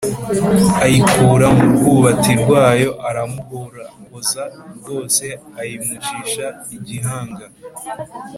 ayikura mu rwubati rwayo aramuhorahoza rwose, ayimucisha igihanga.